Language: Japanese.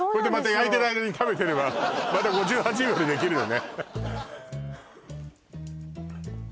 焼いてる間に食べてればまた５８秒でできるよね